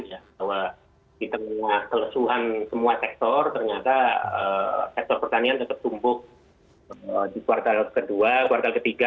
bahwa di tengah kelesuhan semua sektor ternyata sektor pertanian tetap tumbuh di kuartal kedua kuartal ketiga